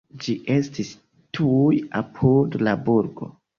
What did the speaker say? Ĝi estis tuj apud la burgo.